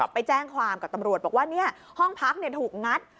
ไปแจ้งความกับตำรวจบอกว่าห้องพักถูกงัด